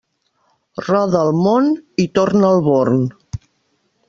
Roda el món i torna al Born.